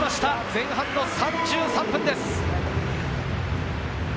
前半の３３分です。